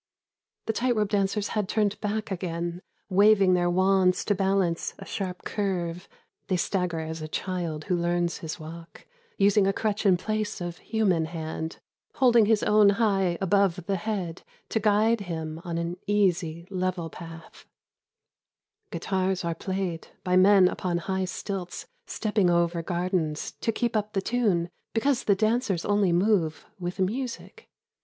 The tight rope dancers had turned back again Waving their wands to balance a sharp curve. They stagger as a child who learns his walk Using a crutch in place of human hand, Holding his own high above the head To guide him on an easy level path ; Guitars are played by men upon high stilts Stepping over gardens to keep up the tune Because the dancers only move with music.